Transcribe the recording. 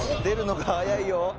出るのが早いよ。